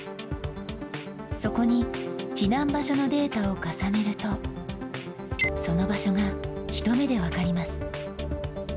そこに避難場所のデータを重ねると、その場所が一目で分かります。